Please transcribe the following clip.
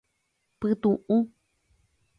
Pytuʼu.